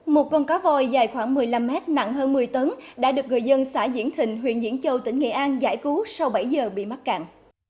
một con cá voi dài khoảng một mươi năm mét nặng hơn một mươi tấn đã được người dân xã diễn thịnh huyện diễn châu tỉnh nghệ an giải cứu sau bảy giờ bị mắc cạn